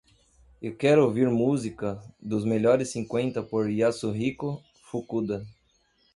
Eu quero ouvir música dos melhores cinquenta por Yasuhiko Fukuda